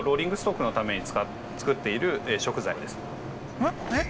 えっえっ？